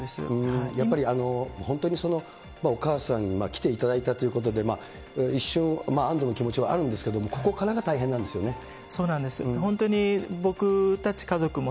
やっぱり本当にお母さんに来ていただいたということで、一瞬、安どの気持ちはあるんですけれども、ここからが大変なんですよね。